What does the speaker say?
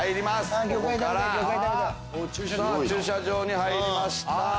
駐車場に入りました。